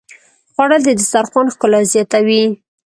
خوړل د دسترخوان ښکلا زیاتوي